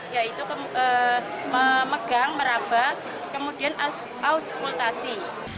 yaitu memegang merabak kemudian aus mutasi